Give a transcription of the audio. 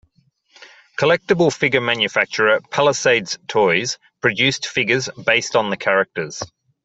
Collectible figure manufacturer Palisades Toys produced figures based on the characters.